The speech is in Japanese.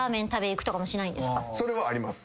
それはあります。